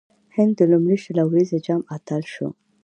هند د لومړي شل اووريز جام اتل سو.